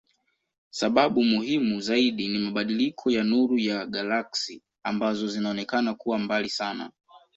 Sababu muhimu zaidi ni mabadiliko ya nuru ya galaksi ambazo zinaonekana kuwa mbali sana.